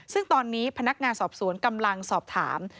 ซึ่งตอนนี้พนักงานสอบสวนกำลังสอบถาม